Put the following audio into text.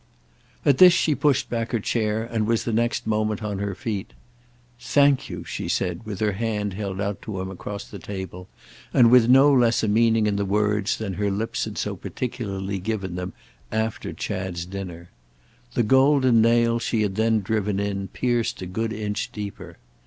At this she pushed back her chair and was the next moment on her feet. "Thank you!" she said with her hand held out to him across the table and with no less a meaning in the words than her lips had so particularly given them after Chad's dinner. The golden nail she had then driven in pierced a good inch deeper.